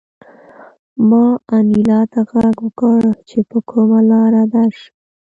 ما انیلا ته غږ وکړ چې په کومه لاره درشم